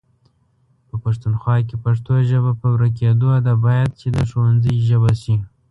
په پښتونخوا کې پښتو ژبه په ورکيدو ده، بايد چې د ښونځي ژبه شي